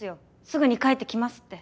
すぐに帰ってきますって。